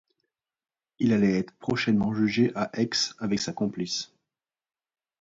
Il allait être prochainement jugé à Aix avec sa complice.